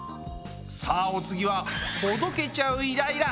さあお次はほどけちゃうイライラ！